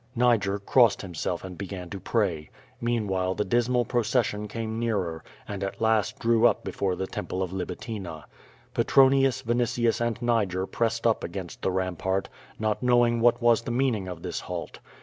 Niger crossed himself and began to pray. Meanwhile the dismal procession came nearer, and at last drew up before the Temple of Libitina. Petronius, Vinitius, and Niger pressed up against the rampart, not knowing wliat was the meaning of this halt.